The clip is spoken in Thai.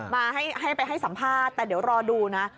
มาให้ไปให้สัมภาษณ์แต่เดี๋ยวรอดูนะ